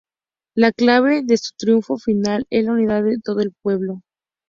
La clave de su triunfo final es la unidad de todo el pueblo.